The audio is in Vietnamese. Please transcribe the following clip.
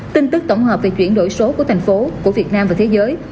tin tức tổng hợp về chuyển đổi số của thành phố của việt nam và thế giới